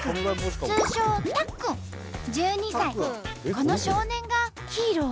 この少年がヒーロー？